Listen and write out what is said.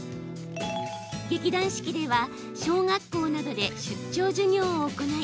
劇団四季では小学校などで出張授業を行い